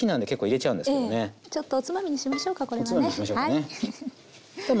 ちょっとおつまみにしましょうかこれはねはい。